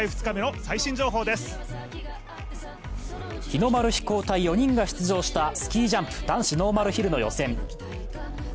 日の丸飛行隊４人が出場したスキージャンプ男子ノーマルヒルの予選。